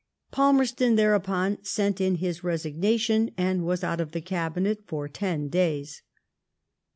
Palmerston thereupon sent in his resignation, and was out of the Cabinet for ten days.